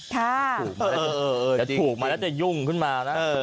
ถูกมาแล้วจะยุ่งขึ้นมานะ